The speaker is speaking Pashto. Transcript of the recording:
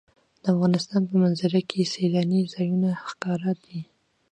د افغانستان په منظره کې سیلانی ځایونه ښکاره ده.